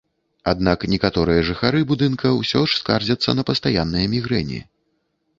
Аднак некаторыя жыхары будынка ўсё ж скардзяцца на пастаянныя мігрэні.